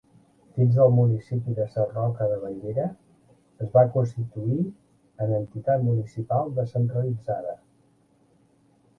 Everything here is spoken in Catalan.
Dins del municipi de Sarroca de Bellera, es va constituir en entitat municipal descentralitzada.